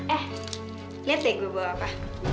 eh lihat deh gue bawa apa